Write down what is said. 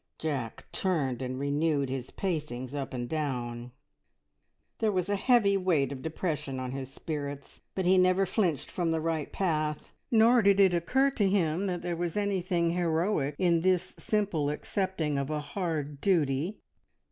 Jack turned and renewed his pacings up and down. There was a heavy weight of depression on his spirits, but he never flinched from the right path, nor did it occur to him that there was anything heroic in this simple accepting of a hard duty.